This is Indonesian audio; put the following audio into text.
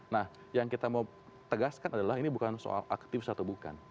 nah yang kita mau tegaskan adalah ini bukan soal aktivis atau bukan